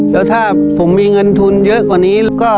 แล้วถ้าผมมีเงินทุนเยอะกว่านี้